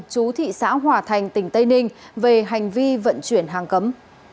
chú thị xã hòa thành tỉnh tây ninh về hành vi vận chuyển hàng cấm